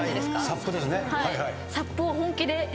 サップですね。